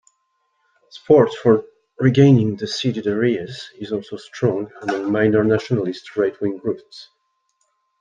Support for regaining the ceded areas is also strong among minor nationalist right-wing groups.